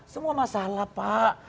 semua masalah pak